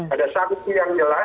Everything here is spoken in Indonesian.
ada sanksi yang jelas